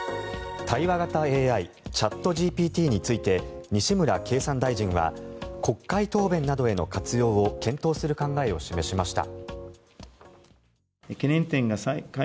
対話型ＡＩチャットＧＰＴについて西村経産大臣は国会答弁などへの活用を検討する考えを示しました。